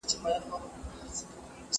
تاسې د تېرو کلونو تاریخ ولولئ.